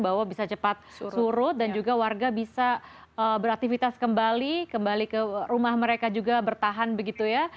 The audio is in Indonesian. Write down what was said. bahwa bisa cepat surut dan juga warga bisa beraktivitas kembali kembali ke rumah mereka juga bertahan begitu ya